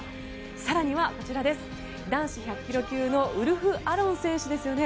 更にはこちら男子１００ｋｇ級のウルフ・アロン選手ですよね。